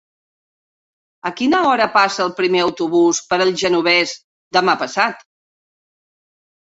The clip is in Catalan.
A quina hora passa el primer autobús per el Genovés demà passat?